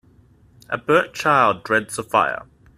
A burnt child dreads the fire.